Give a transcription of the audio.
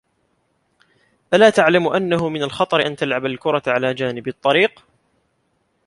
ألا تعلم أنّه من الخطر أن تلعب الكرة على جانب الطّريق؟